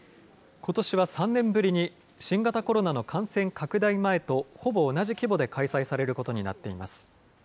ことしは３年ぶりに新型コロナの感染拡大前とほぼ同じ規模で開催されることになっています。